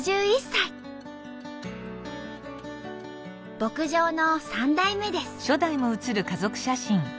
牧場の三代目です。